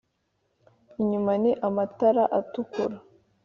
inyuma ni amatara atukura